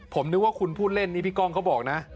ผมนึกว่าคุณพูดเล่นนี่พี่ก้องเขาบอกนะ